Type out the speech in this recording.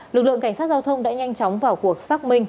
lực lượng cảnh sát giao thông đã nhanh chóng vào cuộc xác minh